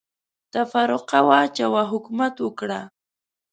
تفرقه واچوه ، حکومت وکړه.